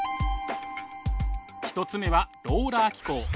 １つ目はローラー機構。